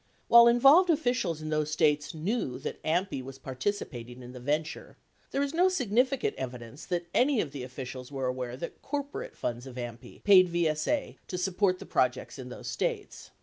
While involved officials in those States knew that AMPI was par ticipating in the venture, there is no significant evidence that any of the officials were aware that corporate funds of AMPI paid VSA to support the projects in those States.